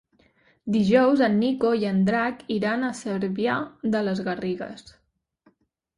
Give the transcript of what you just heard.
Dijous en Nico i en Drac iran a Cervià de les Garrigues.